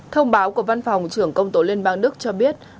thông báo của văn phòng trưởng công tố liên bang đức cho biết